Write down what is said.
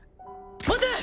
待て！